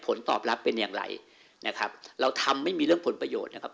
ผลตอบรับเป็นอย่างไรนะครับเราทำไม่มีเรื่องผลประโยชน์นะครับ